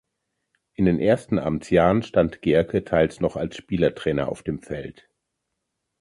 In den ersten Amtsjahren stand Gehrke teils noch als Spielertrainer auf dem Feld.